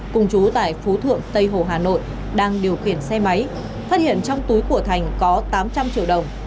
cùng chú tại phú thượng tây hồ hà nội đang điều khiển xe máy phát hiện trong túi của thành có tám trăm linh triệu đồng